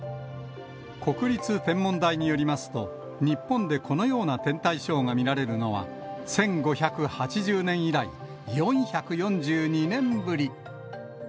国立天文台によりますと、日本でこのような天体ショーが見られるのは、１５８０年以来４４２年ぶり。